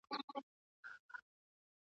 نه را ګرځي بیا د اوسپني په ملو .